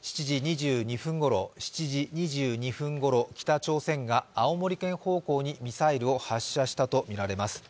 ７時２２分ごろ、北朝鮮が青森県方向にミサイルを発射したとみられます。